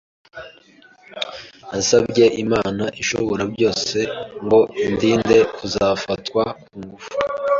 nasabye Imana ishobora byose ngo indinde kuzafatwa ku ngufu